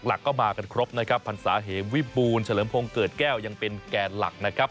หลักก็มากันครบนะครับพรรษาเหมวิบูลเฉลิมพงศ์เกิดแก้วยังเป็นแกนหลักนะครับ